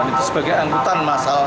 dan itu sebagai angkutan masal